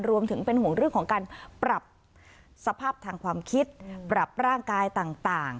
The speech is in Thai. รวมถึงเป็นห่วงเรื่องของการปรับสภาพทางความคิดปรับร่างกายต่าง